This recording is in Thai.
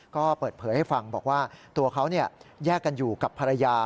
ก็เปิดเผยให้ฟังบอกว่าตัวเขาแยกกันอยู่กับภรรยา